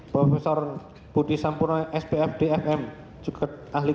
prof budi sampuno spf dfm juga ahli kursus